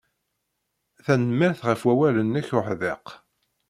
Tanemmirt ɣef wawal-nnek uḥdiq.